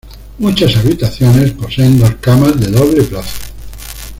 Muchas habitaciones poseen dos camas de doble plaza.